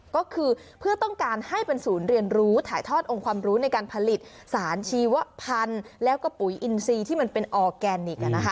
ก็คือเพื่อต้องการให้เป็นศูนย์เรียนรู้ถ่ายทอดองค์ความรู้ในการผลิตสารชีวพันธุ์แล้วก็ปุ๋ยอินซีที่มันเป็นออร์แกนิค